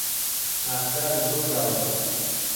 ناسراوین بهو داوهته